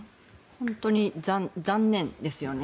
本当に残念ですよね。